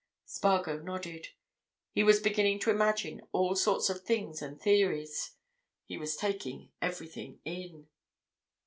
Spargo nodded. He was beginning to imagine all sorts of things and theories; he was taking everything in.